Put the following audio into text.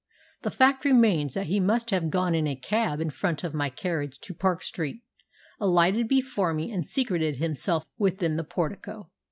The fact remains that he must have gone in a cab in front of my carriage to Park Street, alighted before me, and secreted himself within the portico.